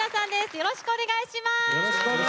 よろしくお願いします。